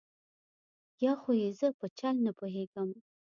یا خو یې زه په چل نه پوهېږم.